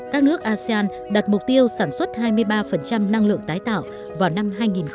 các nước asean đặt mục tiêu sản xuất hai mươi ba năng lượng tái tạo vào năm hai nghìn hai mươi năm